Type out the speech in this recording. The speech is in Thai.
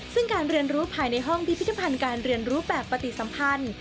ซึ่งการเรียนรู้ภายในห้องพิพิธภัณฑ์การเรียนรู้แบบปฏิสัมพันธ์